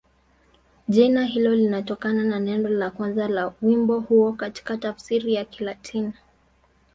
Jina hilo linatokana na neno la kwanza la wimbo huo katika tafsiri ya Kilatini.